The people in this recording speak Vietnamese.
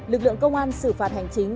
lực lượng công an xử phạt hành chính